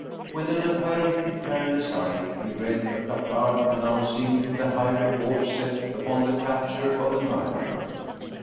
With an apparently careless eye he read a placard announc ing the high reward set upon the capture of the murderer.